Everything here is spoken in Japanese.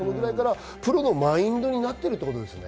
プロのマインドになっているということですね。